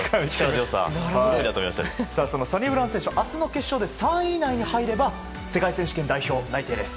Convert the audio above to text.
そのサニブラウン選手は明日の決勝で３位以内に入れば世界選手権代表内定です。